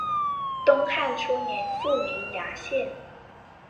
东汉初年复名衙县。